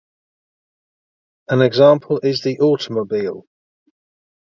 An example is the automobile.